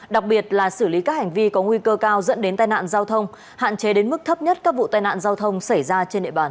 đặc biệt là xử lý các hành vi có nguy cơ cao dẫn đến tai nạn giao thông hạn chế đến mức thấp nhất các vụ tai nạn giao thông xảy ra trên địa bàn